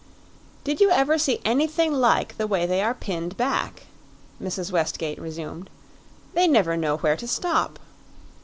"Did you ever see anything like the way they are pinned back?" Mrs. Westgate resumed. "They never know where to stop."